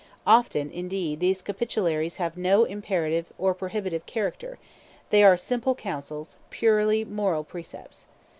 Often, indeed, these Capitularies have no imperative or prohibitive character; they are simple counsels, purely moral precepts.